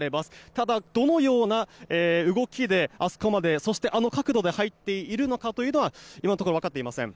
ただ、どのような動きであそこまでそして、あの角度で入っているかというのは今のところ分かっていません。